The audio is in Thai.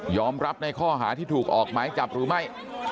รับในข้อหาที่ถูกออกหมายจับหรือไม่